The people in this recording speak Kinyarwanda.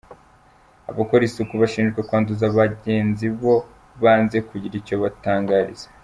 Abakora isuku bashinjwa kwanduza abagenzi bo , banze kugira icyo batangariza.